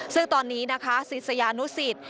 ซึ่งตอนนี้นะคะศิษยานุสิต